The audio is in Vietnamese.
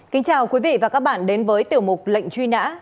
kính chào quý vị và các bạn đến với tiểu mục lệnh truy nã